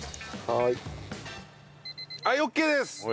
はいオッケーです。